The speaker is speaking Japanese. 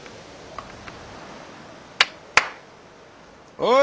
おい！